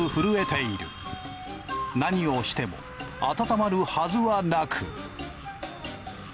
何をしても温まるはずはなく。